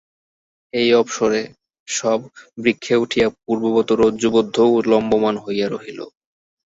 এই অবসরে শব বৃক্ষে উঠিয়া পূর্ববৎ রজ্জুবদ্ধ ও লম্বমান হইয়া রহিল।